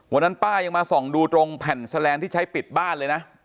ป้ายังมาส่องดูตรงแผ่นแสลนด์ที่ใช้ปิดบ้านเลยนะ